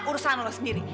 urusan lo sendiri